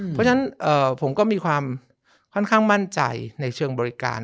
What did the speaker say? เพราะฉะนั้นผมก็มีความค่อนข้างมั่นใจในเชิงบริการ